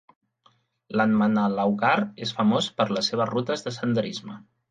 Landmannalaugar és famós per les seves rutes de senderisme.